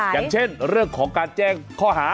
อย่างเช่นเรื่องของการแจ้งข้อหา